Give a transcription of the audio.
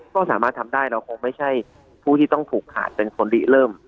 ก็สามารถทำได้เราคงไม่ใช่ผู้ที่ต้องผูกขาดเป็นคนลิเริ่ม